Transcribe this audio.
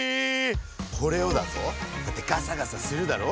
これをだぞガサガサするだろ。